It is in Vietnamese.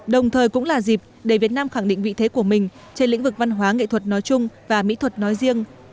đồng thời cũng là dịp để việt nam khẳng định vị thế của mình trên lĩnh vực văn hóa nghệ thuật nói chung và mỹ thuật nói riêng